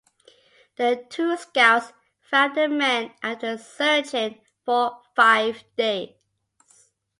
The two scouts found the men after searching for five days.